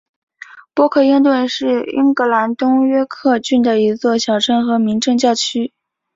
波克灵顿是英格兰东约克郡的一座小镇和民政教区。